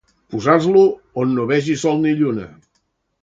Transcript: Posar-lo on no vegi sol ni lluna.